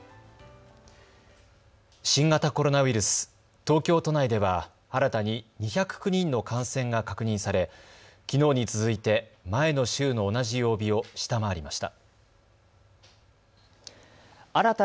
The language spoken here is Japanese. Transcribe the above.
新型コロナウイルス、東京都内では新たに２０９人の感染が確認されきのうに続いて前の週の同じ曜日を下回りました。